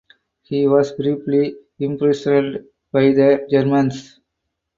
He was briefly imprisoned by the Germans.